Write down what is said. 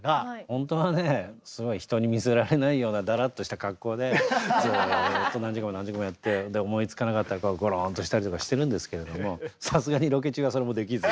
本当はねすごい人に見せられないようなだらっとした格好でずっと何時間も何時間もやって思いつかなかったらゴロンとしたりとかしてるんですけれどもさすがにロケ中はそれもできず。